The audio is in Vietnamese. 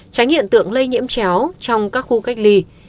tránh hiện tượng lây nhiễm chéo trong các khu cách ly